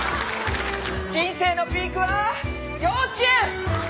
人生のピークは幼稚園。